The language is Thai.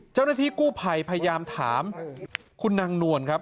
เจ้าหน้าที่กู้ภัยพยายามถามคุณนางนวลครับ